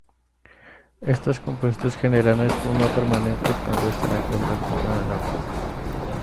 Estos compuestos generan espuma permanente cuando están en contacto con agua.